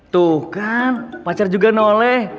tuh kan pacar juga noleh